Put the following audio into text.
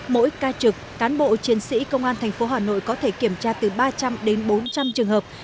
mỗi ca trực cán bộ chiến sĩ công an thành phố hà nội có thể kiểm tra từ ba trăm linh đến bốn trăm linh trường hợp